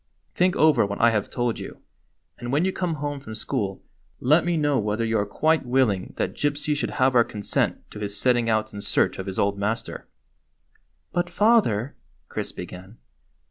" Think over what I have told you, and when you come home from school let me know whether you are quite willing that Gypsy should have our consent to his setting out in search of his old master." "But, father —" Chris began.